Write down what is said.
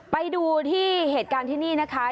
ไปดูที่เหตุการณ์ที่นี่นะคะ